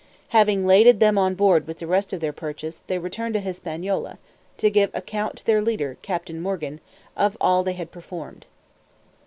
Having laded them on board with the rest of their purchase, they returned to Hispaniola, to give account to their leader, Captain Morgan, of all they had performed.